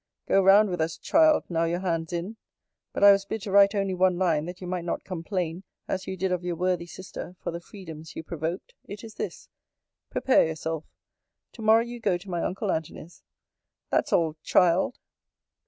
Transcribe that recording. Go round with us, child, now your hand's in. But I was bid to write only one line, that you might not complain, as you did of your worthy sister, for the freedoms you provoked: It is this Prepare yourself. To morrow you go to my uncle Antony's. That's all, child.